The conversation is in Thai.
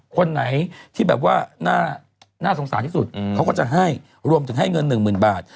คนไหนที่แบบว่าน่าสงสารที่สุดเขาก็จะให้รวมถึงให้เงินหนึ่งหมื่นบาท